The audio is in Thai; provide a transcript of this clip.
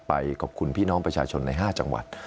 ไปขอบคุณพี่น้องประชาชนใน๕จังหวัด